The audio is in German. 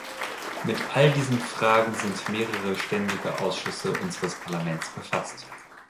Mit all diesen Fragen sind mehrere ständige Ausschüsse unseres Parlaments befasst.